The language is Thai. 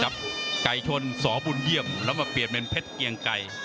ไก่ชนสบุญเยี่ยมแล้วมาเปลี่ยนเป็นเพชรเกียงไก่